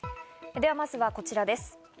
では、まずはこちらです。